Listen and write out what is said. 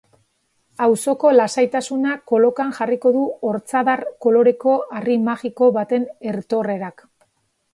Auzoko lasaitasuna kolokan jarriko du ortzadar koloreko harri magiko baten etorrerak.